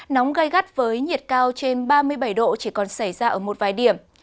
nóng gây gắt với nhiệt cao trên ba mươi bảy độ chỉ còn xảy ra ở một vài điểm